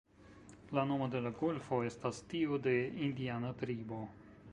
La nomo de la golfo estas tiu de indiana tribo.